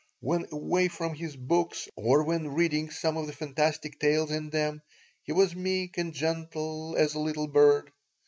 When away from his books or when reading some of the fantastic tales in them he was meek and gentle as a little bird.